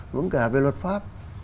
vướng cả về luật pháp